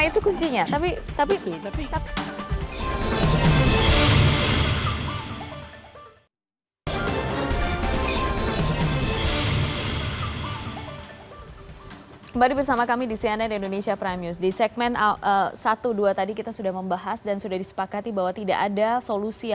tetap bersama kami di cnn indonesia prime news